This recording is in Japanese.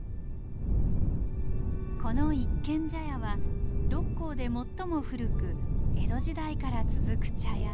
この一軒茶屋は六甲で最も古く江戸時代から続く茶屋。